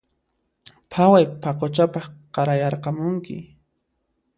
Phaway paquchapaq qarayarqamunki